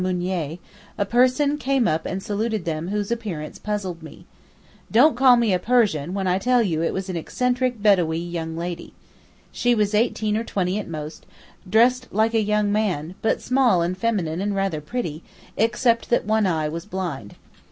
Mounier, a person came up and saluted them whose appearance puzzled me. Don't call me a Persian when I tell you it was an eccentric Bedawee young lady. She was eighteen or twenty at most, dressed like a young man, but small and feminine and rather pretty, except that one eye was blind.